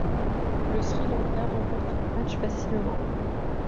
Le Sri Lanka remporte le match facilement.